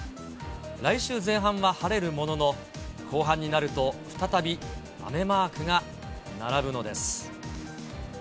来週前半は晴れるものの、後半になると再び雨マークが並ぶのです。